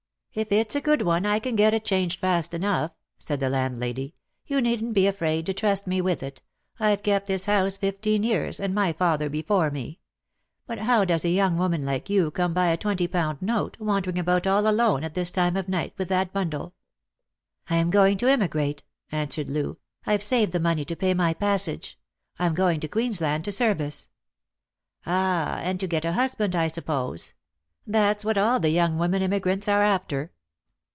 " If it's a good one I can get it changed fast enough," said the landlady. " You needn't be afraid to trust me with it. I've kept this house fifteen years, and my father before me. But how does a young woman like you come by a twenty pound note, wandering about all alone at this time of night with that bundle?" " I am going to emigrate," answered Loo. " I've saved the Lost for Love. 195 money to pay my passage. I'm going to Queensland to service." " Ah, and to get a husband, I suppose. That's what all the young women emigrants are after."